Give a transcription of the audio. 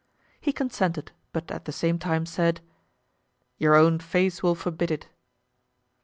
He consented, but at the same time said, "Your own face will forbid it."